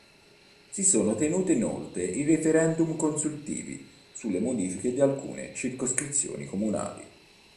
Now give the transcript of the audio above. Si sono tenute inoltre i referendum consultivi sulle modifiche di alcune circoscrizioni comunali.